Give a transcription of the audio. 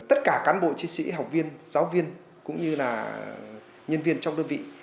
tất cả cán bộ chiến sĩ học viên giáo viên cũng như là nhân viên trong đơn vị